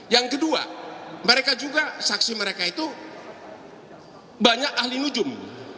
yang kedua mereka juga saksi mereka itu banyak ahli nujum